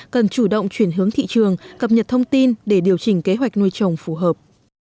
cần chủ động chuyển hướng thị trường cập nhật thông tin để điều chỉnh kế hoạch nuôi trồng phù hợp